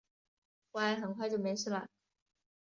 乖，很快就没事了